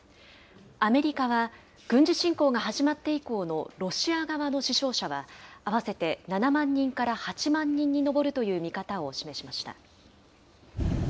アメリカは、軍事侵攻が始まって以降のロシア側の死傷者は、合わせて７万人から８万人に上るという見方を示しました。